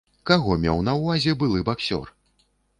Каго меў на ўвазе былы баксёр?